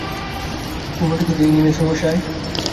তোমাকে তো দিইনি মেসোমশায় ।